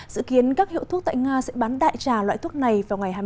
dự kiến các hiệu thuốc tại nga sẽ bán đại trà loại thuốc này